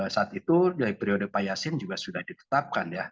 saat itu dari periode pak yasin juga sudah ditetapkan ya